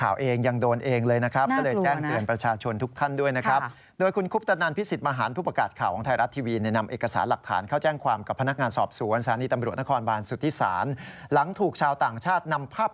อัจยกรค่ำชาติ